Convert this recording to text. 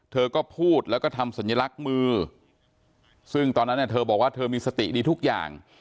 เธอก็พูดแล้วก็ทำสัญลักษณ์มือซึ่งตอนนั้นเธอบอกว่าเธอมีสติดีทุกอย่าง